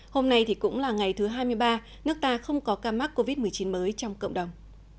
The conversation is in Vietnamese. hôm nay thì cũng là ngày thứ hai mươi ba nước ta không có ca mắc covid một mươi chín mới trong cộng đồng